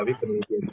baik u bang